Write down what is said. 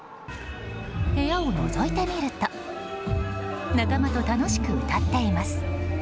部屋をのぞいてみると仲間と楽しく歌っています。